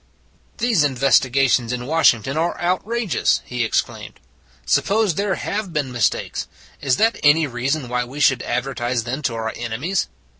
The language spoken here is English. " These investigations in Washington are outrageous," he exclaimed. " Sup pose there have been mistakes; is that any reason why we should advertise them to our enemies?